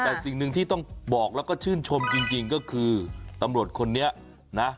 แต่สิ่งหนึ่งที่ต้องบอกแล้วก็ชื่นชมจริงก็คือตำรวจคนนี้นะ